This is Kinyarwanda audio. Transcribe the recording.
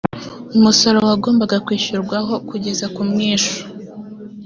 umusoro wagombaga kwishyurirwaho kugeza ku mwishyo